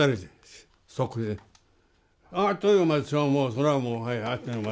それはもうあっという間。